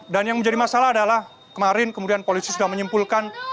dan yang menjadi masalah adalah kemarin kemudian polisi sudah menyimpulkan